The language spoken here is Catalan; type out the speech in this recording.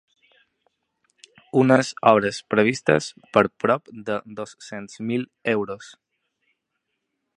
Unes obres previstes per prop de dos-cents mil euros.